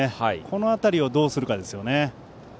この辺りをどうするかですよね。